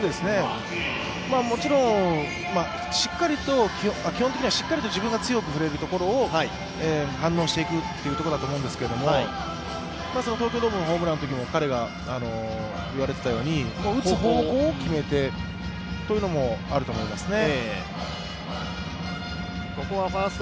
もちろん、基本的には自分が強く振れるところを、反応していくというところだと思うんですけど東京ドームのホームランのときも言われていたように打つ方向を決めてというのもあると思いますね。